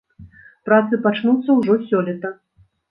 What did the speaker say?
Працы пачнуцца ўжо сёлета.